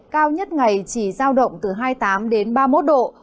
cao nhất ngày chỉ giao động từ hai mươi tám đến ba mươi một độ